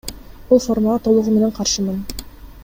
Бул формага толугу менен каршымын.